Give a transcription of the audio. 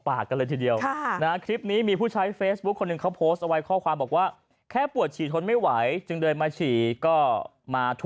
ไปดูคลิปเหตุการณ์ที่มันเกิดขึ้นก่อนครับ